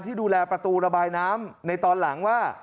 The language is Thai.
ที่ดูแลประตูระบายน้ำในตอนหลังว่า